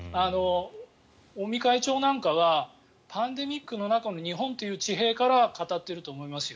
尾身会長なんかはパンデミックの中の日本という地平から語っていると思いますよ。